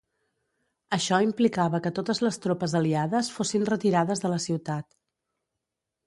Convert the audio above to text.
Això implicava que totes les tropes aliades fossin retirades de la ciutat.